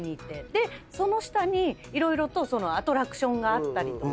でその下に色々とアトラクションがあったりとか。